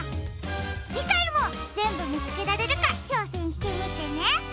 じかいもぜんぶみつけられるかちょうせんしてみてね。